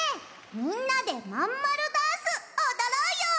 みんなでまんまるダンスおどろうよ。